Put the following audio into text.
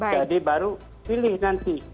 jadi baru pilih nanti